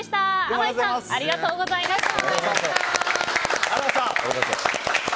あまいさんありがとうございました。